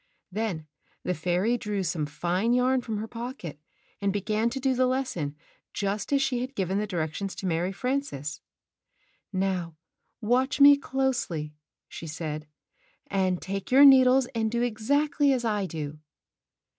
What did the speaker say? Then the fairy drew some fine yarn from her pocket and began to do the lesson just as she had given the directions to Mary Frances. ''Now, watch me closely," she said, "and take your needles and do exactly as I do."